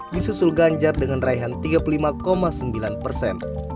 disusul ganjar dengan raihan tiga puluh lima sembilan persen